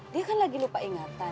dia kan lagi lupa ingatan